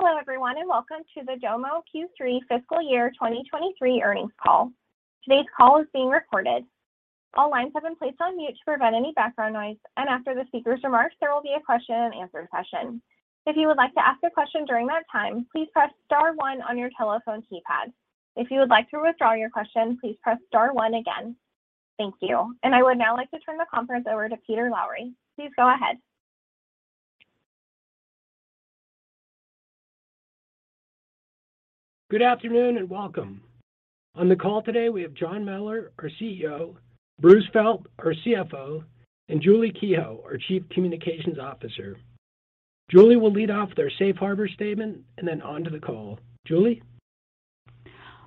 Hello everyone, welcome to the Domo Q3 Fiscal Year 2023 earnings call. Today's call is being recorded. All lines have been placed on mute to prevent any background noise, and after the speaker's remarks, there will be a question and answer session. If you would like to ask a question during that time, please press star one on your telephone keypad. If you would like to withdraw your question, please press star one again. Thank you. I would now like to turn the conference over to Peter Lowry. Please go ahead. Good afternoon, and welcome. On the call today we have our CEO, Bruce Felt, our CFO, and Julie Kehoe, our Chief Communications Officer. Julie will lead off their safe harbor statement and then on to the call. Julie?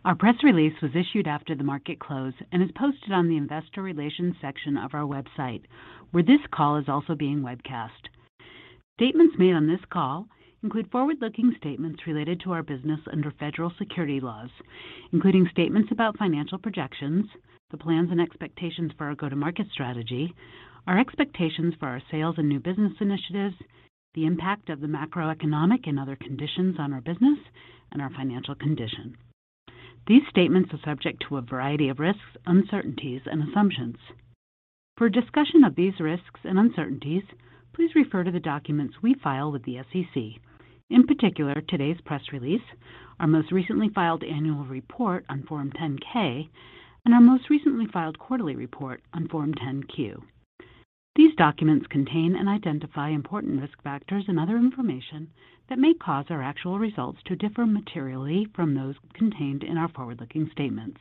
Our press release was issued after the market close and is posted on the investor relations section of our website, where this call is also being webcast. Statements made on this call include forward-looking statements related to our business under federal security laws, including statements about financial projections, the plans and expectations for our go-to-market strategy, our expectations for our sales and new business initiatives, the impact of the macroeconomic and other conditions on our business and our financial condition. These statements are subject to a variety of risks, uncertainties and assumptions. For a discussion of these risks and uncertainties, please refer to the documents we file with the SEC, in particular today's press release, our most recently filed annual report on Form 10-K, and our most recently filed quarterly report on Form 10-Q. These documents contain and identify important risk factors and other information that may cause our actual results to differ materially from those contained in our forward-looking statements.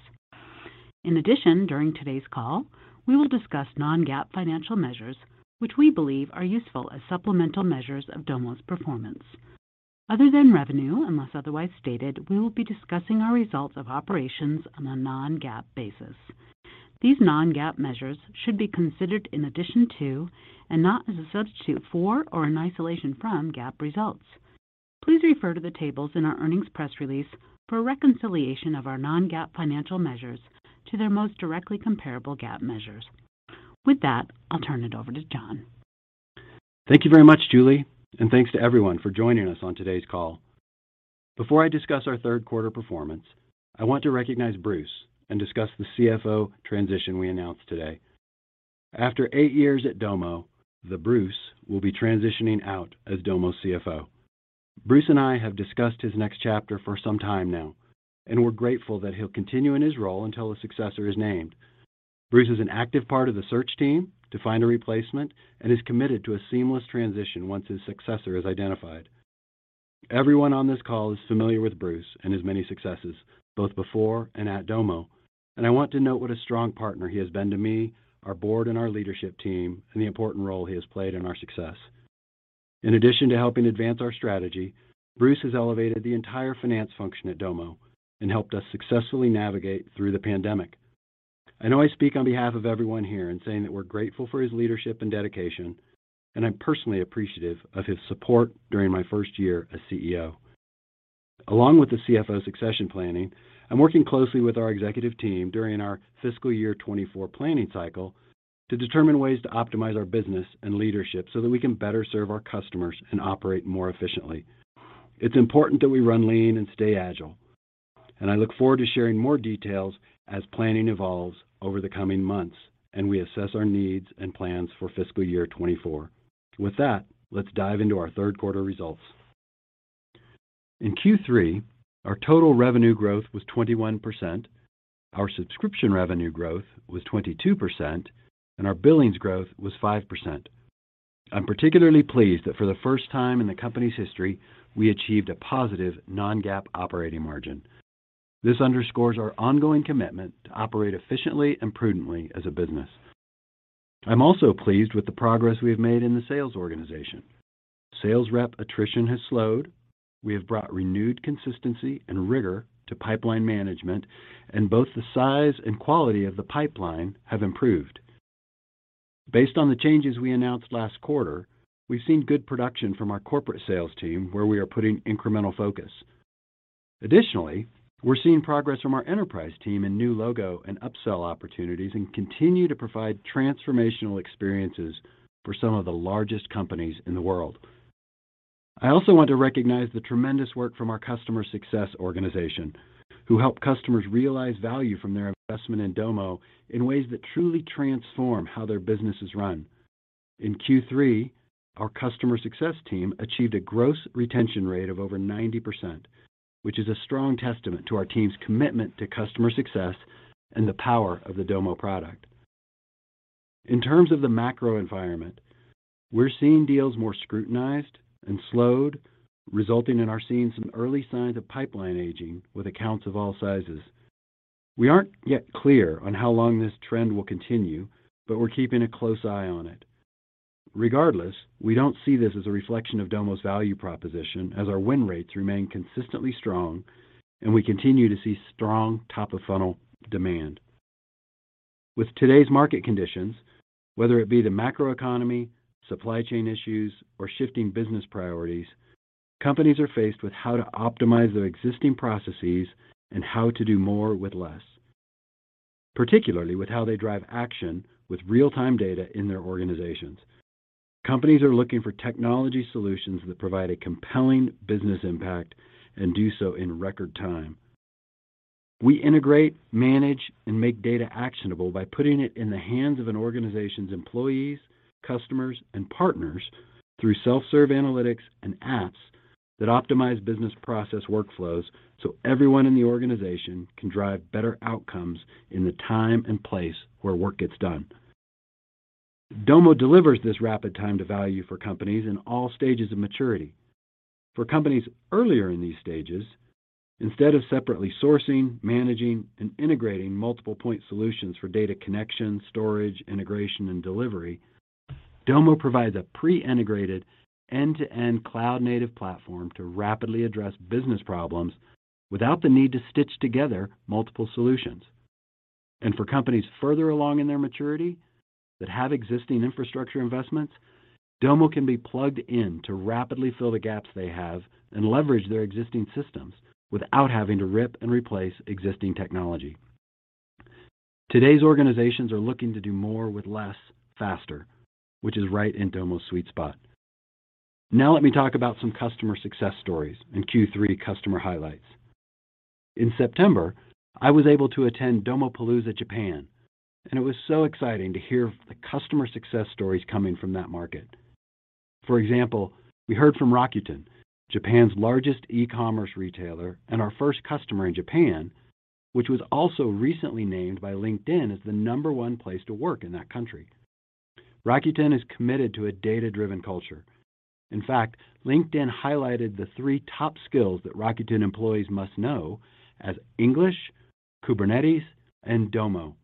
In addition, during today's call, we will discuss non-GAAP financial measures which we believe are useful as supplemental measures of Domo's performance. Other than revenue, unless otherwise stated, we will be discussing our results of operations on a non-GAAP basis. These non-GAAP measures should be considered in addition to, and not as a substitute for or in isolation from, GAAP results. Please refer to the tables in our earnings press release for a reconciliation of our non-GAAP financial measures to their most directly comparable GAAP measures. With that, I'll turn it over to John. Thank you very much, Julie. Thanks to everyone for joining us on today's call. Before I discuss our third quarter performance, I want to recognize Bruce and discuss the CFO transition we announced today. After eight years at Domo, Bruce will be transitioning out as Domo's CFO. Bruce and I have discussed his next chapter for some time now, and we're grateful that he'll continue in his role until a successor is named. Bruce is an active part of the search team to find a replacement, and is committed to a seamless transition once his successor is identified. Everyone on this call is familiar with Bruce and his many successes, both before and at Domo, and I want to note what a strong partner he has been to me, our board and our leadership team, and the important role he has played in our success. In addition to helping advance our strategy, Bruce has elevated the entire finance function at Domo and helped us successfully navigate through the pandemic. I know I speak on behalf of everyone here in saying that we're grateful for his leadership and dedication, and I'm personally appreciative of his support during my first year as CEO. Along with the CFO succession planning, I'm working closely with our executive team during our fiscal year 2024 planning cycle to determine ways to optimize our business and leadership so that we can better serve our customers and operate more efficiently. It's important that we run lean and stay agile, and I look forward to sharing more details as planning evolves over the coming months, and we assess our needs and plans for fiscal year 2024. With that, let's dive into our third quarter results. In Q3, our total revenue growth was 21%, our subscription revenue growth was 22%, and our billings growth was 5%. I'm particularly pleased that for the first time in the company's history, we achieved a positive non-GAAP operating margin. This underscores our ongoing commitment to operate efficiently and prudently as a business. I'm also pleased with the progress we have made in the sales organization. Sales rep attrition has slowed. We have brought renewed consistency and rigor to pipeline management, and both the size and quality of the pipeline have improved. Based on the changes we announced last quarter, we've seen good production from our corporate sales team where we are putting incremental focus. Additionally, we're seeing progress from our enterprise team in new logo and upsell opportunities, and continue to provide transformational experiences for some of the largest companies in the world. I also want to recognize the tremendous work from our customer success organization, who help customers realize value from their investment in Domo in ways that truly transform how their business is run. In Q3, our customer success team achieved a gross retention rate of over 90%, which is a strong testament to our team's commitment to customer success and the power of the Domo product. In terms of the macro environment, we're seeing deals more scrutinized and slowed, resulting in our seeing some early signs of pipeline aging with accounts of all sizes. We aren't yet clear on how long this trend will continue, we're keeping a close eye on it. Regardless, we don't see this as a reflection of Domo's value proposition as our win rates remain consistently strong and we continue to see strong top of funnel demand. With today's market conditions, whether it be the macro economy, supply chain issues, or shifting business priorities, companies are faced with how to optimize their existing processes and how to do more with less. Particularly with how they drive action with real-time data in their organizations. Companies are looking for technology solutions that provide a compelling business impact and do so in record time. We integrate, manage, and make data actionable by putting it in the hands of an organization's employees, customers, and partners through self-serve analytics and apps that optimize business process workflows so everyone in the organization can drive better outcomes in the time and place where work gets done. Domo delivers this rapid time to value for companies in all stages of maturity. For companies earlier in these stages, instead of separately sourcing, managing, and integrating multiple point solutions for data connection, storage, integration, and delivery, Domo provides a pre-integrated end-to-end cloud native platform to rapidly address business problems without the need to stitch together multiple solutions. For companies further along in their maturity that have existing infrastructure investments, Domo can be plugged in to rapidly fill the gaps they have and leverage their existing systems without having to rip and replace existing technology. Today's organizations are looking to do more with less, faster, which is right in Domo's sweet spot. Let me talk about some customer success stories and Q3 customer highlights. In September, I was able to attend Domopalooza Japan, and it was so exciting to hear the customer success stories coming from that market. For example, we heard from Rakuten, Japan's largest e-commerce retailer and our first customer in Japan, which was also recently named by LinkedIn as the number one place to work in that country. Rakuten is committed to a data-driven culture. In fact, LinkedIn highlighted the three top skills that Rakuten employees must know as English, Kubernetes, and Domo.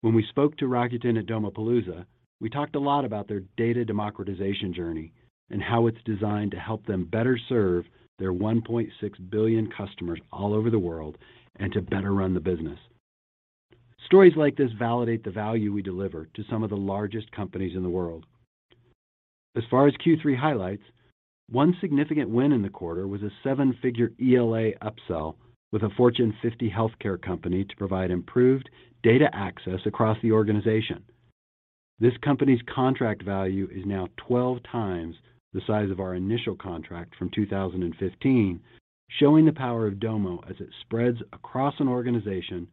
When we spoke to Rakuten at Domopalooza, we talked a lot about their data democratization journey and how it's designed to help them better serve their 1.6 billion customers all over the world and to better run the business. Stories like this validate the value we deliver to some of the largest companies in the world. As far as Q3 highlights, one significant win in the quarter was a seven-figure ELA upsell with a Fortune 50 healthcare company to provide improved data access across the organization. This company's contract value is now 12 times the size of our initial contract from 2015, showing the power of Domo as it spreads across an organization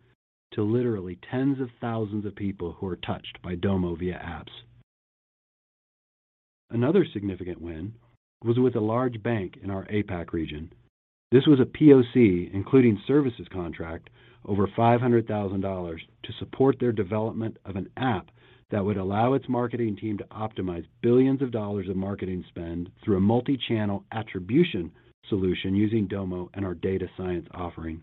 to literally tens of thousands of people who are touched by Domo via apps. Another significant win was with a large bank in our APAC region. This was a POC, including services contract, over $500,000 to support their development of an app that would allow its marketing team to optimize billions of dollars of marketing spend through a multi-channel attribution solution using Domo and our data science offering.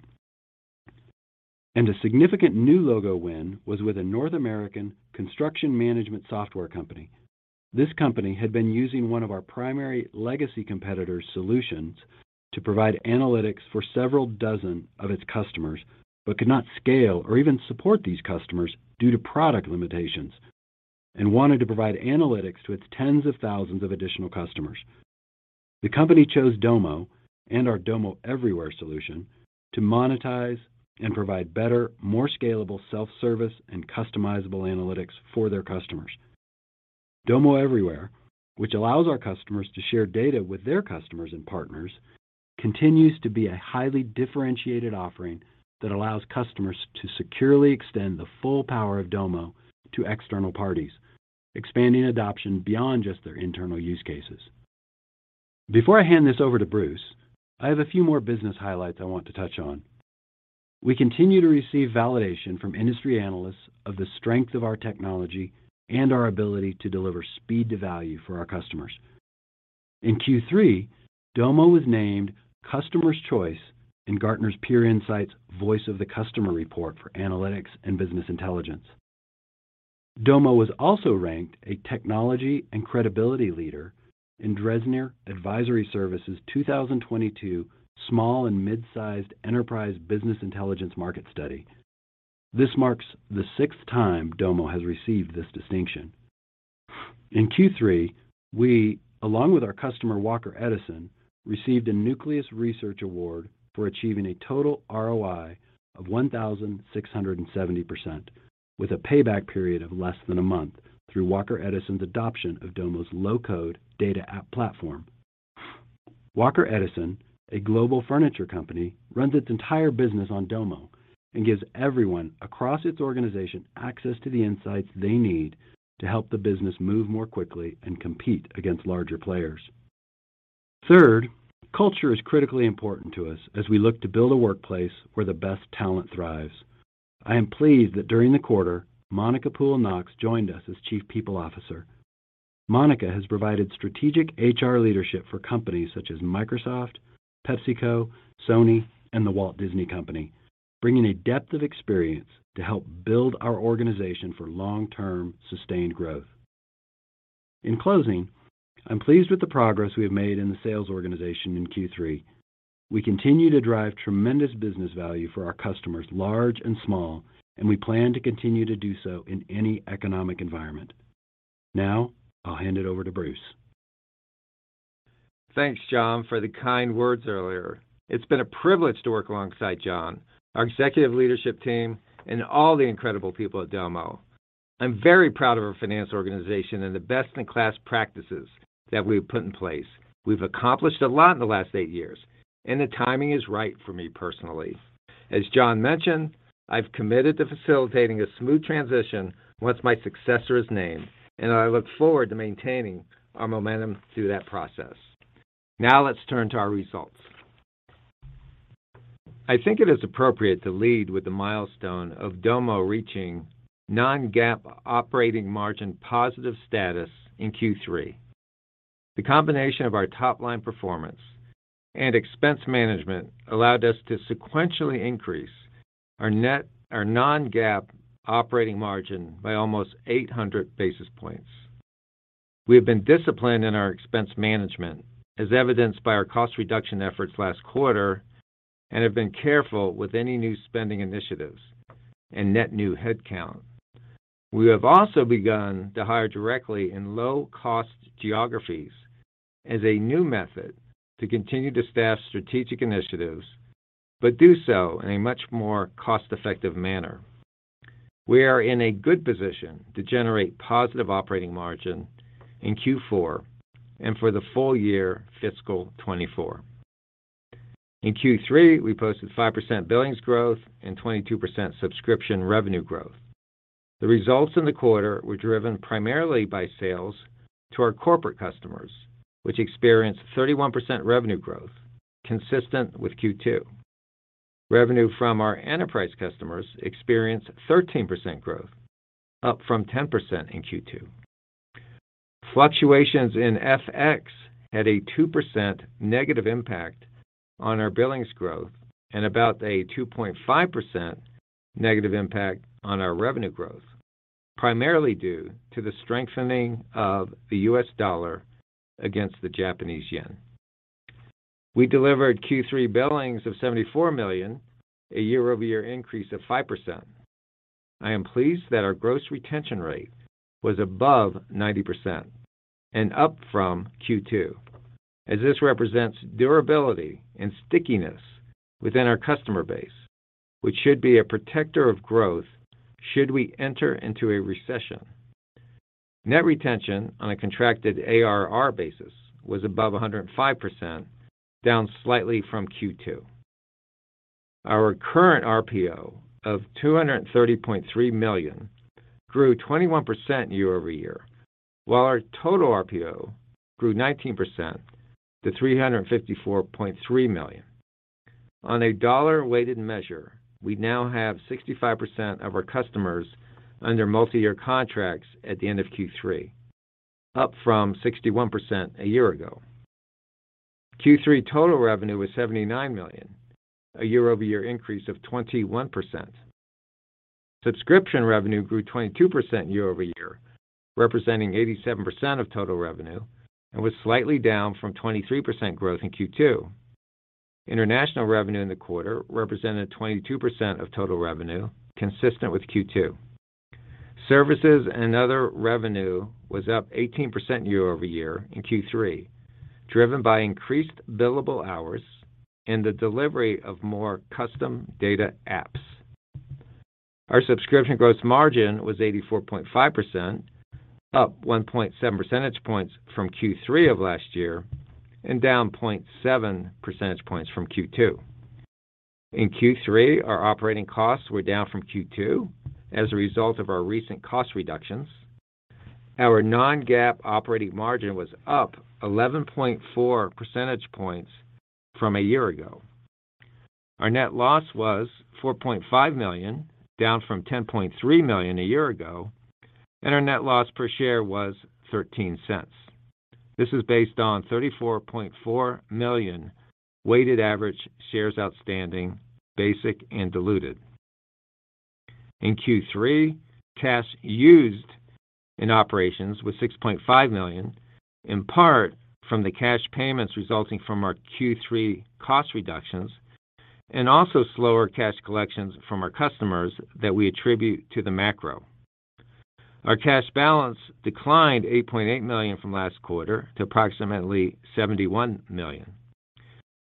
A significant new logo win was with a North American construction management software company. This company had been using one of our primary legacy competitors' solutions to provide analytics for several dozen of its customers, but could not scale or even support these customers due to product limitations and wanted to provide analytics to its tens of thousands of additional customers. The company chose Domo and our Domo Everywhere solution to monetize and provide better, more scalable self-service and customizable analytics for their customers. Domo Everywhere, which allows our customers to share data with their customers and partners, continues to be a highly differentiated offering that allows customers to securely extend the full power of Domo to external parties, expanding adoption beyond just their internal use cases. Before I hand this over to Bruce, I have a few more business highlights I want to touch on. We continue to receive validation from industry analysts of the strength of our technology and our ability to deliver speed to value for our customers. In Q3, Domo was named Customers' Choice in Gartner's Peer Insights Voice of the Customer Report for Analytics and Business Intelligence. Domo was also ranked a Technology and Credibility Leader in Dresner Advisory Services' 2022 Small and Mid-Sized Enterprise Business Intelligence Market Study. This marks the sixth time Domo has received this distinction. In Q3, we, along with our customer Walker Edison, received a Nucleus Research Award for achieving a total ROI of 1,670% with a payback period of less than a month through Walker Edison's adoption of Domo's low-code data app platform. Walker Edison, a global furniture company, runs its entire business on Domo and gives everyone across its organization access to the insights they need to help the business move more quickly and compete against larger players. Third, culture is critically important to us as we look to build a workplace where the best talent thrives. I am pleased that during the quarter, Monica Pool Knox joined us as Chief People Officer. Monica has provided strategic HR leadership for companies such as Microsoft, PepsiCo, Sony, and The Walt Disney Company, bringing a depth of experience to help build our organization for long-term, sustained growth. In closing, I'm pleased with the progress we have made in the sales organization in Q3. We continue to drive tremendous business value for our customers, large and small, and we plan to continue to do so in any economic environment. Now, I'll hand it over to Bruce. Thanks, John, for the kind words earlier. It's been a privilege to work alongside John, our executive leadership team, and all the incredible people at Domo. I'm very proud of our finance organization and the best-in-class practices that we've put in place. We've accomplished a lot in the last eight years, and the timing is right for me personally. As John mentioned, I've committed to facilitating a smooth transition once my successor is named, and I look forward to maintaining our momentum through that process. Let's turn to our results. I think it is appropriate to lead with the milestone of Domo reaching non-GAAP operating margin positive status in Q3. The combination of our top-line performance and expense management allowed us to sequentially increase our non-GAAP operating margin by almost 800 basis points. We have been disciplined in our expense management, as evidenced by our cost reduction efforts last quarter, and have been careful with any new spending initiatives and net new headcount. We have also begun to hire directly in low-cost geographies as a new method to continue to staff strategic initiatives, but do so in a much more cost-effective manner. We are in a good position to generate positive operating margin in Q4 and for the full year fiscal 2024. In Q3, we posted 5% billings growth and 22% subscription revenue growth. The results in the quarter were driven primarily by sales to our corporate customers, which experienced 31% revenue growth, consistent with Q2. Revenue from our enterprise customers experienced 13% growth, up from 10% in Q2. Fluctuations in FX had a 2% negative impact on our billings growth and about a 2.5% negative impact on our revenue growth, primarily due to the strengthening of the U.S. dollar against the Japanese yen. We delivered Q3 billings of $74 million, a year-over-year increase of 5%. I am pleased that our gross retention rate was above 90% and up from Q2, as this represents durability and stickiness within our customer base, which should be a protector of growth should we enter into a recession. Net retention on a contracted ARR basis was above 105%, down slightly from Q2. Our current RPO of $230.3 million grew 21% year-over-year, while our total RPO grew 19% to $354.3 million. On a dollar-weighted measure, we now have 65% of our customers under multi-year contracts at the end of Q3, up from 61% a year ago. Q3 total revenue was $79 million, a year-over-year increase of 21%. Subscription revenue grew 22% year-over-year, representing 87% of total revenue, and was slightly down from 23% growth in Q2. International revenue in the quarter represented 22% of total revenue, consistent with Q2. Services and other revenue was up 18% year-over-year in Q3, driven by increased billable hours and the delivery of more custom data apps. Our subscription gross margin was 84.5%, up 1.7 percentage points from Q3 of last year and down 0.7 percentage points from Q2. In Q3, our operating costs were down from Q2 as a result of our recent cost reductions. Our non-GAAP operating margin was up 11.4 percentage points from a year ago. Our net loss was $4.5 million, down from $10.3 million a year ago, and our net loss per share was $0.13. This is based on 34.4 million weighted average shares outstanding, basic and diluted. In Q3, cash used in operations was $6.5 million, in part from the cash payments resulting from our Q3 cost reductions and also slower cash collections from our customers that we attribute to the macro. Our cash balance declined $8.8 million from last quarter to approximately $71 million.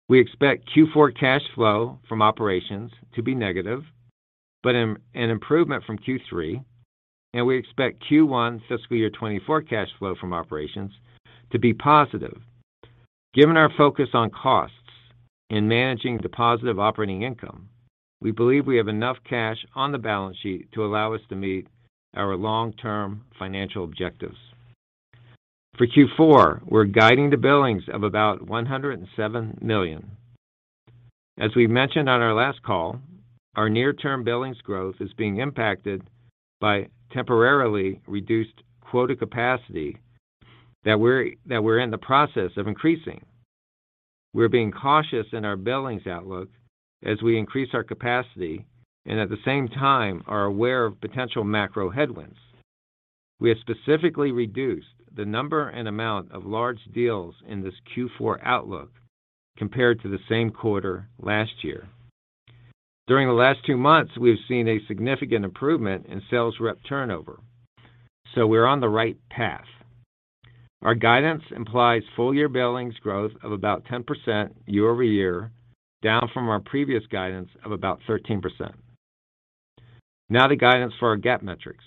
We expect Q4 cash flow from operations to be negative, but an improvement from Q3, and we expect Q1 fiscal year 2024 cash flow from operations to be positive. Given our focus on costs in managing the positive operating income, we believe we have enough cash on the balance sheet to allow us to meet our long-term financial objectives. For Q4, we're guiding the billings of about $107 million. As we mentioned on our last call, our near-term billings growth is being impacted by temporarily reduced quota capacity that we're in the process of increasing. We're being cautious in our billings outlook as we increase our capacity and at the same time are aware of potential macro headwinds. We have specifically reduced the number and amount of large deals in this Q4 outlook compared to the same quarter last year. During the last two months, we've seen a significant improvement in sales rep turnover, we're on the right path. Our guidance implies full year billings growth of about 10% year-over-year, down from our previous guidance of about 13%. Now the guidance for our GAAP metrics.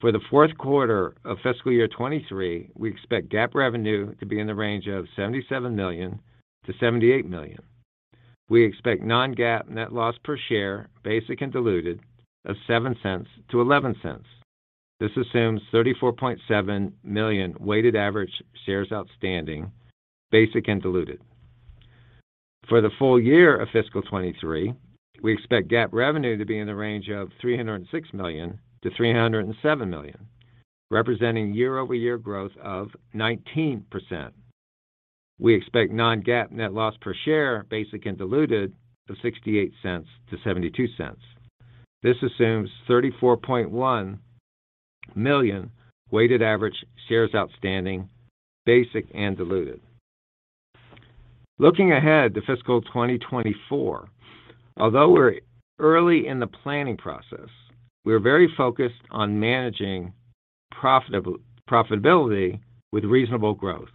For the fourth quarter of fiscal year 23, we expect GAAP revenue to be in the range of $77 million-$78 million. We expect non-GAAP net loss per share, basic and diluted, of $0.07-$0.11. This assumes 34.7 million weighted average shares outstanding, basic and diluted. For the full year of fiscal 23, we expect GAAP revenue to be in the range of $306 million-$307 million, representing year-over-year growth of 19%. We expect non-GAAP net loss per share, basic and diluted, of $0.68-$0.72. This assumes 34.1 million weighted average shares outstanding, basic and diluted. Looking ahead to fiscal 2024, although we're early in the planning process, we're very focused on managing profitability with reasonable growth.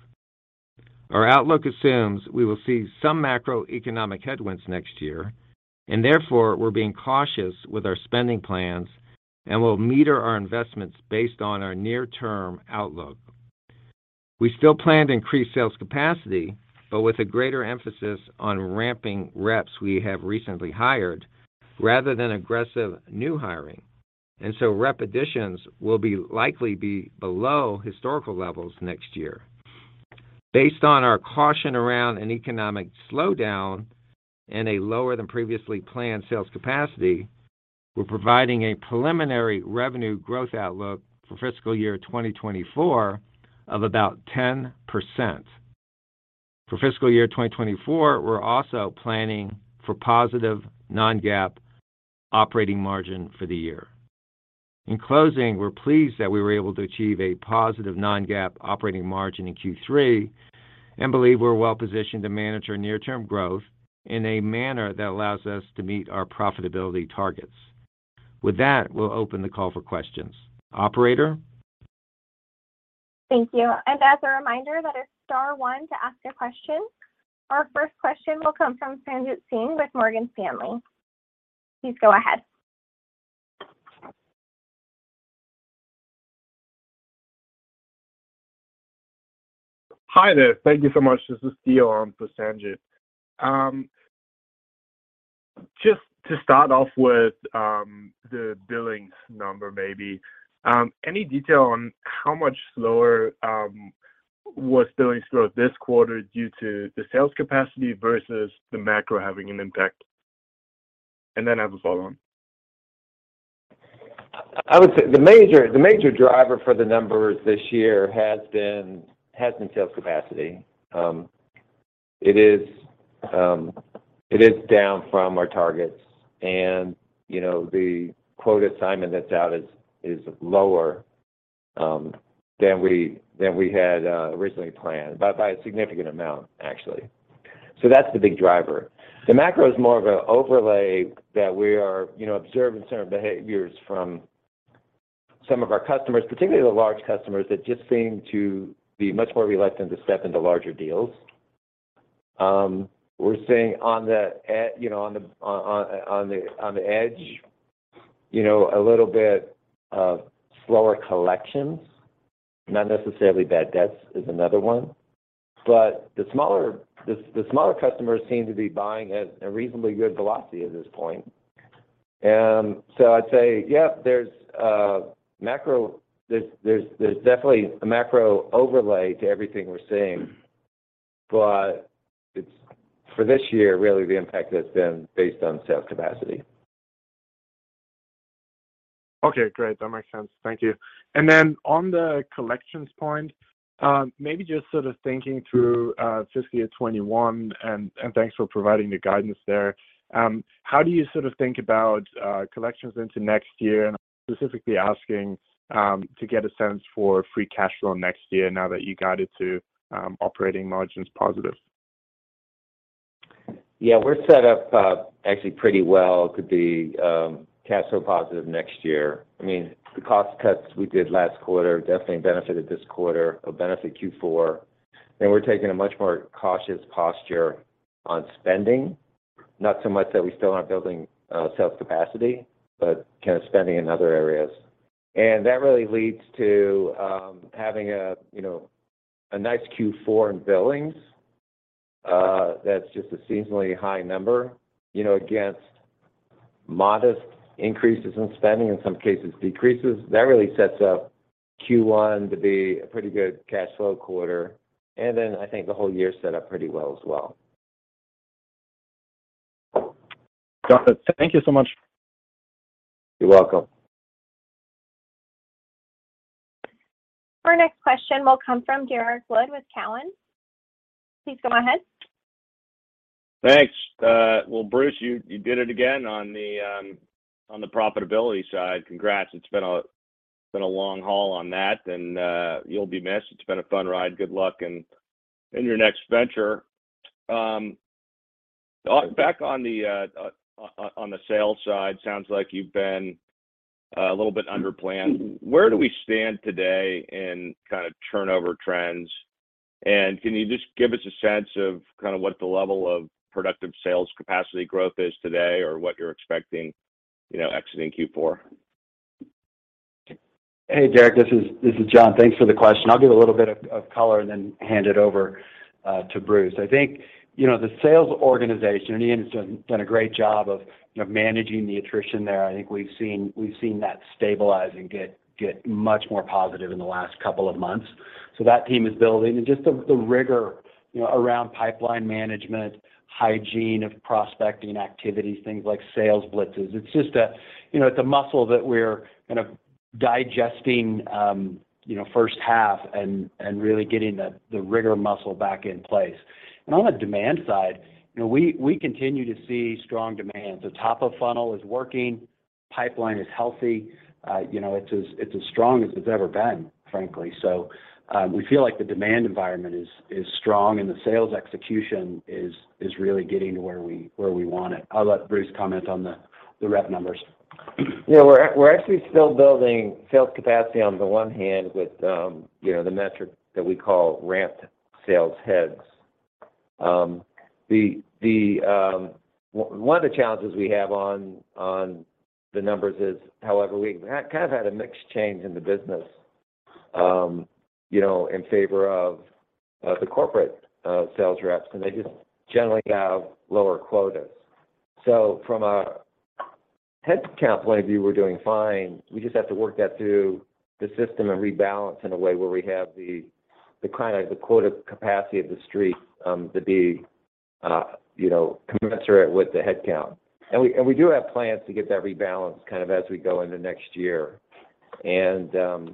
Our outlook assumes we will see some macroeconomic headwinds next year. Therefore, we're being cautious with our spending plans. We'll meter our investments based on our near-term outlook. We still plan to increase sales capacity, with a greater emphasis on ramping reps we have recently hired, rather than aggressive new hiring. So rep additions will likely be below historical levels next year. Based on our caution around an economic slowdown and a lower than previously planned sales capacity, we're providing a preliminary revenue growth outlook for fiscal year 2024 of about 10%. For fiscal year 2024, we're also planning for positive non-GAAP operating margin for the year. In closing, we're pleased that we were able to achieve a positive non-GAAP operating margin in Q3 and believe we're well-positioned to manage our near-term growth in a manner that allows us to meet our profitability targets. With that, we'll open the call for questions. Operator? Thank you. As a reminder, that is star one to ask a question. Our first question will come from Sanjit Singh with Morgan Stanley. Please go ahead. Hi there. Thank you so much. This is Theo on for Sanjit. Just to start off with, the billings number maybe. Any detail on how much slower, was billings growth this quarter due to the sales capacity versus the macro having an impact? I have a follow-on. I would say the major driver for the numbers this year has been sales capacity. It is down from our targets and, you know, the quote assignment that's out is lower than we had originally planned by a significant amount actually. That's the big driver. The macro is more of an overlay that we are, you know, observing certain behaviors from some of our customers, particularly the large customers that just seem to be much more reluctant to step into larger deals. We're seeing, you know, on the edge, you know, a little bit of slower collections, not necessarily bad debts is another one. The smaller customers seem to be buying at a reasonably good velocity at this point. I'd say, yeah, there's definitely a macro overlay to everything we're seeing, but it's for this year, really the impact has been based on sales capacity. Okay, great. That makes sense. Thank you. On the collections point, maybe just sort of thinking through fiscal year four, and thanks for providing the guidance there. How do you sort of think about collections into next year? I'm specifically asking to get a sense for free cash flow next year now that you got it to operating margins positive. Yeah, we're set up, actually pretty well to be cash flow positive next year. I mean, the cost cuts we did last quarter definitely benefited this quarter, will benefit Q4, and we're taking a much more cautious posture on spending. Not so much that we still aren't building sales capacity, but kind of spending in other areas. That really leads to having a, you know, a nice Q4 in billings, that's just a seasonally high number, you know, against modest increases in spending, in some cases decreases. That really sets up Q1 to be a pretty good cash flow quarter. I think the whole year is set up pretty well as well. Got it. Thank you so much. You're welcome. Our next question will come from Derrick Wood with Cowen. Please go ahead. or the update. It's great to hear about the progress on profitability, and congratulations on that achievement. You'll definitely be missed, and we wish you the best in your next venture. Regarding sales, it sounds like there's been a slight dip below plan. Could you elaborate on the sales side? Sounds like you've been a little bit underplanned. Where do we stand today in current turnover trends and give us a sense of the expected productive sales capacity growth, particularly as we exit Q4? Hey, Derrick Wood, this is John Mellor. Thanks for the question. I'll give a little bit of color, then hand it over to Bruce Felt. I think, you know, the sales organization, Ian Tickle's done a great job of, you know, managing the attrition there. I think we've seen that stabilizing get much more positive in the last couple of months. That team is building. Just the rigor, you know, around pipeline management, hygiene of prospecting activities, things like sales blitzes. It's just a, you know, it's a muscle that we're kind of digesting, you know, first half and really getting the rigor muscle back in place. On the demand side, you know, we continue to see strong demand. The top of funnel is working, pipeline is healthy. you know, it's as strong as it's ever been, frankly. We feel like the demand environment is strong, and the sales execution is really getting to where we want it. I'll let Bruce comment on the rep numbers. We're actually still building sales capacity on the one hand with, you know, the metric that we call ramped sales heads. One of the challenges we have on the numbers is however we've kind of had a mixed change in the business, you know, in favor of the corporate sales reps, and they just generally have lower quotas. From a headcount point of view, we're doing fine. We just have to work that through the system and rebalance in a way where we have the kind of the quota capacity of the street, to be, you know, commensurate with the headcount. We, and we do have plans to get that rebalance kind of as we go into next year. While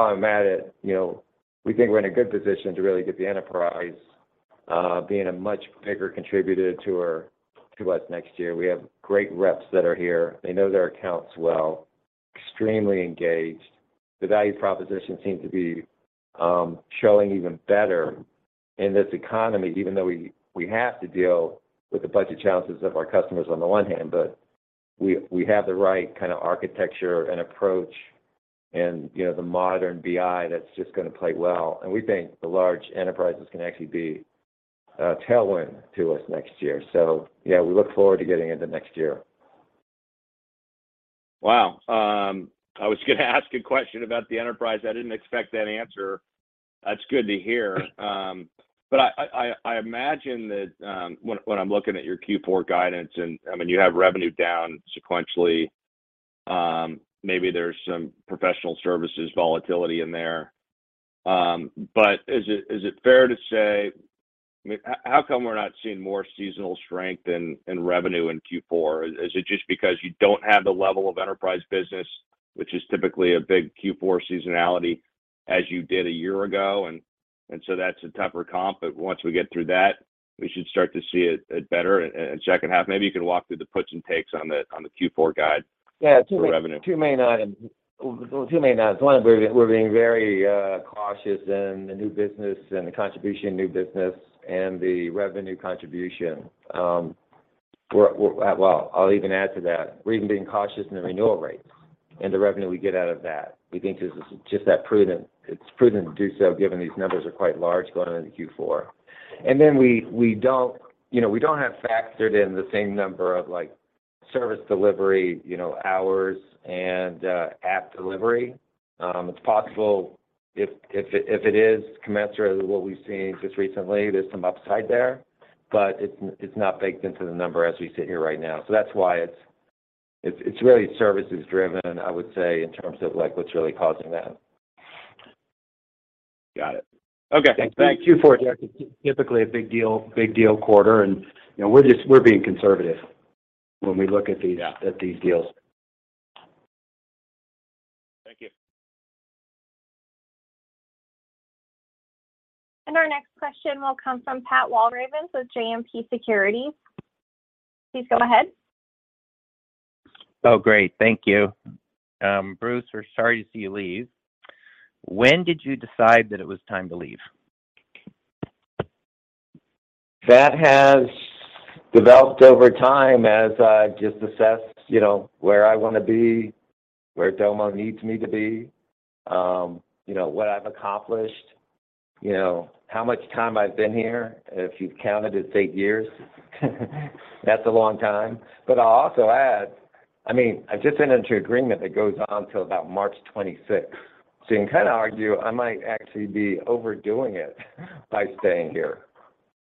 I'm at it, you know, we think we're in a good position to really get the enterprise being a much bigger contributor to us next year. We have great reps that are here. They know their accounts well, extremely engaged. The value proposition seems to be showing even better in this economy, even though we have to deal with the budget challenges of our customers on the one hand, but we have the right kind of architecture and approach and, you know, the modern BI that's just gonna play well. We think the large enterprises can actually be a tailwind to us next year. Yeah, we look forward to getting into next year. Wow. I was gonna ask a question about the enterprise. I didn't expect that answer. That's good to hear. I imagine that, when I'm looking at your Q4 guidance, I mean, you have revenue down sequentially, maybe there's some professional services volatility in there. Is it fair to say, I mean, how come we're not seeing more seasonal strength in revenue in Q4? Is it just because you don't have the level of enterprise business, which is typically a big Q4 seasonality, as you did a year ago, and so that's a tougher comp, but once we get through that, we should start to see it better in second half? Maybe you can walk through the puts and takes on the Q4 guide- Yeah. for revenue. Two main items. One, we're being very cautious in the new business and the contribution new business and the revenue contribution. We're. Well, I'll even add to that. We're even being cautious in the renewal rates and the revenue we get out of that. We think this is just that prudent. It's prudent to do so given these numbers are quite large going into Q4. Then we, you know, we don't have factored in the same number of, like, service delivery, you know, hours and app delivery. It's possible if it, if it is commensurate with what we've seen just recently, there's some upside there. It's not baked into the number as we sit here right now. That's why it's really services driven, I would say, in terms of, like, what's really causing that. Got it. Okay. Thanks. Thank you. Q4, Derrick, is typically a big deal quarter, and, you know, we're just, we're being conservative when we look at these at these deals. Thank you. Our next question will come from Patrick Walravens with JMP Securities. Please go ahead. Oh, great. Thank you. Bruce, we're sorry to see you leave. When did you decide that it was time to leave? That has developed over time as I've just assessed, you know, where I wanna be, where Domo needs me to be, you know, what I've accomplished, you know, how much time I've been here. If you've counted, it's eight years. That's a long time. I'll also add, I mean, I've just been into agreement that goes on till about March 26th. You can kind of argue I might actually be overdoing it by staying here.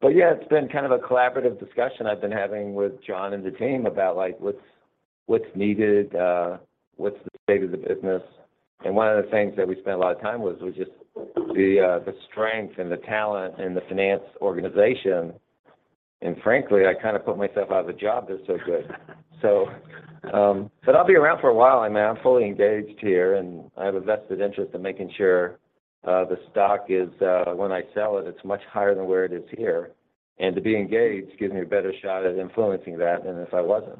Yeah, it's been kind of a collaborative discussion I've been having with John and the team about, like, what's needed, what's the state of the business. One of the things that we spent a lot of time was just the strength and the talent in the finance organization. Frankly, I kind of put myself out of a job, that's so good. But I'll be around for a while. I mean, I'm fully engaged here, and I have a vested interest in making sure the stock is when I sell it's much higher than where it is here. To be engaged gives me a better shot at influencing that than if I wasn't.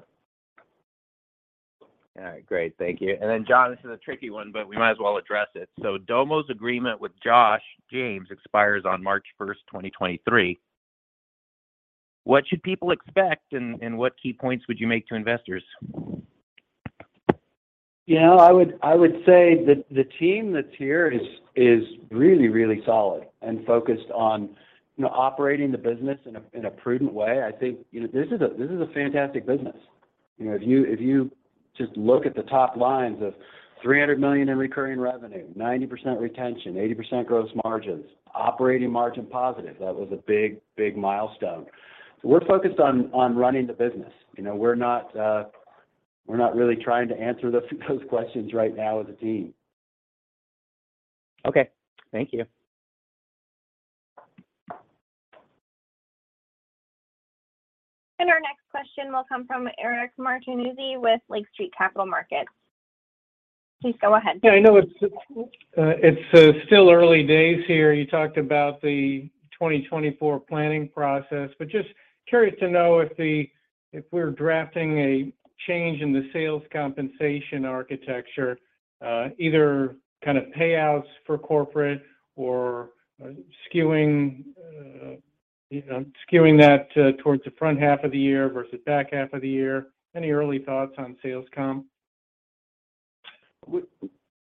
All right, great. Thank you. John, this is a tricky one, but we might as well address it. Domo's agreement with Josh James expires on March 1st, 2023. What should people expect and what key points would you make to investors? You know, I would say that the team that's here is really solid and focused on, you know, operating the business in a prudent way. I think, you know, this is a fantastic business. You know, if you just look at the top lines of $300 million in recurring revenue, 90% retention, 80% gross margins, operating margin positive, that was a big milestone. We're focused on running the business. You know, we're not really trying to answer those questions right now as a team. Okay. Thank you. Our next question will come from Eric Martinuzzi with Lake Street Capital Markets. Please go ahead. Yeah, I know it's still early days here. You talked about the 2024 planning process, but just curious to know if we're drafting a change in the sales compensation architecture, either kind of payouts for corporate or skewing, you know, skewing that towards the front half of the year versus back half of the year. Any early thoughts on sales comp?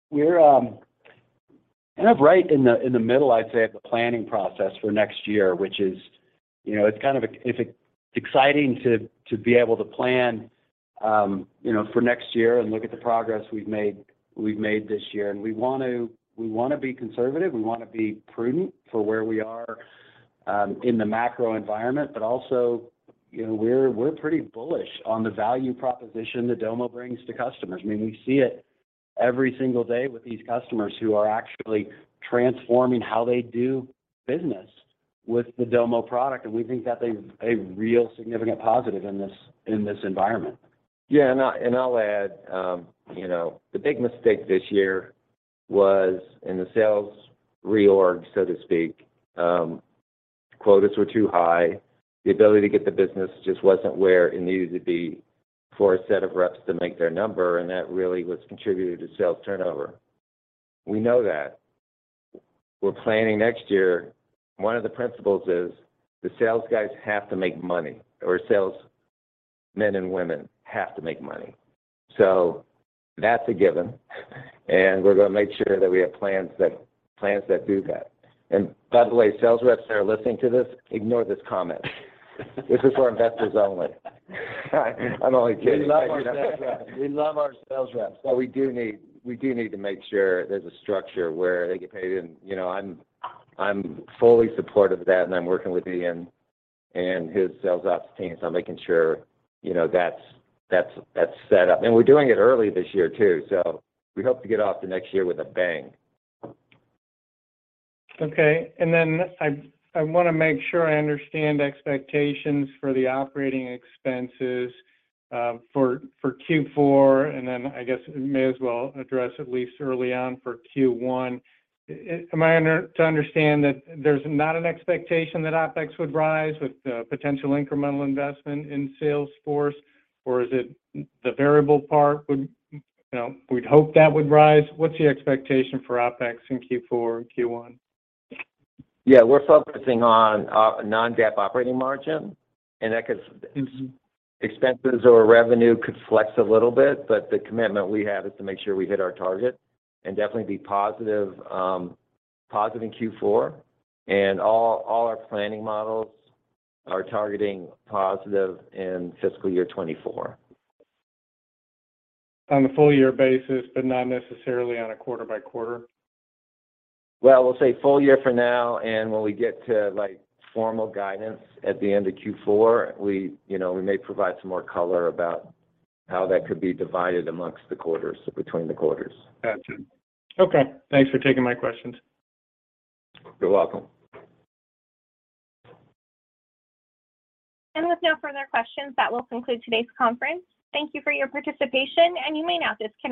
We're kind of right in the, in the middle, I'd say, of the planning process for next year, which is, you know, it's exciting to be able to plan, you know, for next year and look at the progress we've made this year. We wanna be conservative, we wanna be prudent for where we are in the macro environment. You know, we're pretty bullish on the value proposition that Domo brings to customers. I mean, we see it every single day with these customers who are actually transforming how they do business with the Domo product, and we think that is a real significant positive in this, in this environment. I, and I'll add, you know, the big mistake this year was in the sales reorg, so to speak, quotas were too high. The ability to get the business just wasn't where it needed to be for a set of reps to make their number, and that really was contributed to sales turnover. We know that. We're planning next year, one of the principles is the sales guys have to make money, or sales men and women have to make money. That's a given, and we're gonna make sure that we have plans that do that. By the way, sales reps that are listening to this, ignore this comment. This is for investors only. I'm only kidding. We love our sales reps. We do need to make sure there's a structure where they get paid. You know, I'm fully supportive of that, and I'm working with Ian and his sales ops team, so I'm making sure, you know, that's set up. We're doing it early this year too, so we hope to get off the next year with a bang. Okay. I wanna make sure I understand expectations for the operating expenses for Q4, and then I guess may as well address at least early on for Q1. Am I to understand that there's not an expectation that OpEx would rise with the potential incremental investment in Salesforce, or is it the variable part would, you know, we'd hope that would rise? What's the expectation for OpEx in Q4, Q1? Yeah, we're focusing on non-GAAP operating margin. Mm-hmm Expenses or revenue could flex a little bit, but the commitment we have is to make sure we hit our target and definitely be positive in Q4. All our planning models are targeting positive in fiscal year 2024. On a full year basis, but not necessarily on a quarter by quarter? Well, we'll say full year for now, and when we get to, like, formal guidance at the end of Q4, we, you know, we may provide some more color about how that could be divided amongst the quarters, between the quarters. Gotcha. Okay. Thanks for taking my questions. You're welcome. With no further questions, that will conclude today's conference. Thank you for your participation, and you may now disconnect.